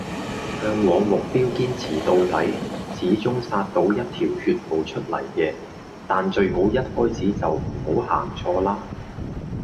向住目標堅持到底，始終殺到一條血路出黎嘅，但最好一開始就唔好行錯啦